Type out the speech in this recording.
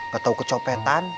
gak tau kecopetan